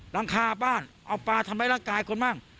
หลังคาบ้านเอาปลาทำร้ายร่างกายคนบ้าง